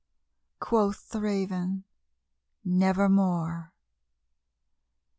Quoth the Raven, "Nevermore."